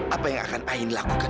apa yang akan ain lakukan